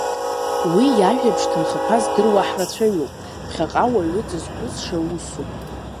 Уи иажәабжь ҭынхақәа здыруа ҳрацәаҩуп, ԥхьаҟа уаҩы дзызхәыцша усуп.